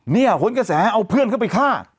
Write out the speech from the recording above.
เนี่ยโฮ้นกระแสเอาเพื่อนเขาไปฆ่า